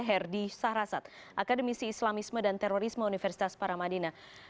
herdy sahrasat akademisi islamisme dan terorisme universitas paramadina